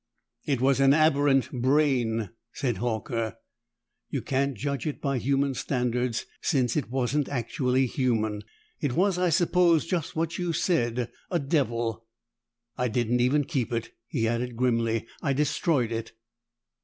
"It was an aberrant brain," said Horker. "You can't judge it by human standards, since it wasn't actually human. It was, I suppose, just what you said a devil. I didn't even keep it," he added grimly. "I destroyed it."